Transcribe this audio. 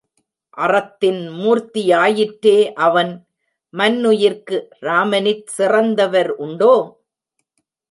அறத்தின் மூர்த்தியாயிற்றே அவன், மன்னுயிர்க்கு ராமனிற் சிறந்தவர் உண்டோ?